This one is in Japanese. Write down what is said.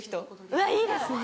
うわいいですね。